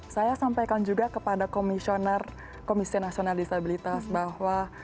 saya sampaikan juga kepada komisioner komisi nasional disabilitas bahwa